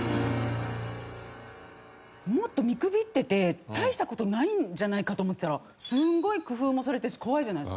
もっと見くびってて大した事ないんじゃないかと思ってたらすごい工夫もされてるし怖いじゃないですか。